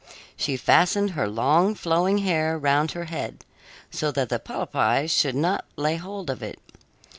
She fastened her long, flowing hair round her head, so that the polypi should not lay hold of it.